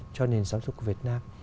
cho nền giáo dục của việt nam